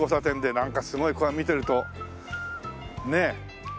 なんかすごいここから見てるとねえ。